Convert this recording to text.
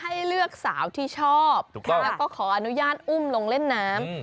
ให้เลือกสาวที่ชอบแล้วก็ขออนุญาตอุ้มลงเล่นน้ำ